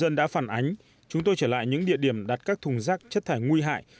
người dân đã phản ánh chúng tôi trở lại những địa điểm đặt các thùng rác chất thải nguy hại